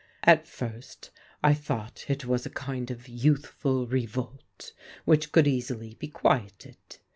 At first I thought it was a kind of youthful revolt, which could easily be quieted.